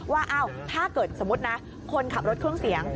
ว่าถ้าเกิดสมมุตินะคนขับรถเครื่องเสียง